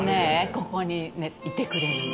ここにいてくれるの。